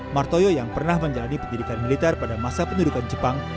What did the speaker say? martoyo yang pernah menjalani pendidikan militer pada masa pendudukan jepang